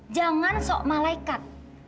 jangan sok malekat